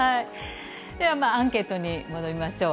アンケートに戻りましょう。